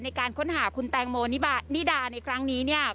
ในการค้นหาคุณแตงโมนิดาในครั้งนี้เนี่ย